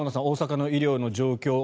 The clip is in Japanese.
大阪の医療の状況